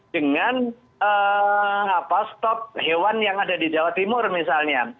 dengan stok hewan yang ada di jawa timur misalnya